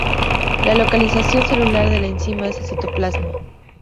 La localización celular de la enzima es el citoplasma.